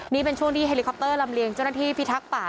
นี่เป็นช่วงที่เฮลิคอปเตอร์ลำเลียงเจ้าหน้าที่พิทักษ์ป่า